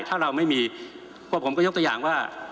ถ้าเราไม่มีพวกผมก็ยกตัวอย่างว่า